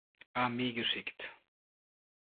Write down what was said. Armee geschickt.